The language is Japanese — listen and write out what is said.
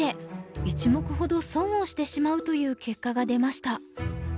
１目ほど損をしてしまうという結果が出ました。